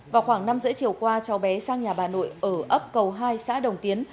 vào khoảng năm h ba mươi chiều qua cháu bé sang nhà bà nội ở ấp cầu hai xã đồng tiến